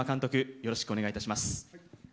よろしくお願いします。